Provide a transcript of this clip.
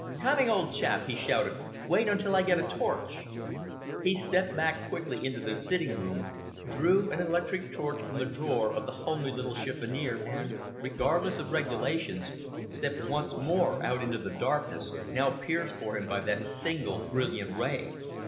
"Coming, old chap," he shouted. "Wait until I get a torch." He stepped quickly back into the sitting room, drew an electric torch from the drawer of the homely little chiffonier and, regardless of regulations, stepped once more out into the darkness, now pierced for him by that single brilliant ray.